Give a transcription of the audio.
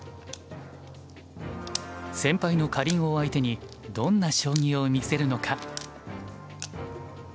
先輩のかりんを相手にどんな将棋を見せるのか。